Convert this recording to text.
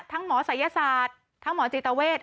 หมอศัยศาสตร์ทั้งหมอจิตเวท